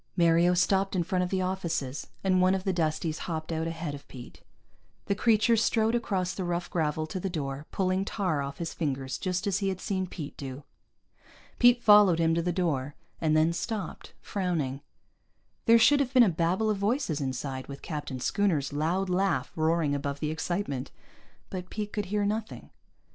Mario stopped in front of the offices, and one of the Dusties hopped out ahead of Pete. The creature strode across the rough gravel to the door, pulling tar off his fingers just as he had seen Pete do. Pete followed him to the door, and then stopped, frowning. There should have been a babble of voices inside, with Captain Schooner's loud laugh roaring above the excitement. But Pete could hear nothing.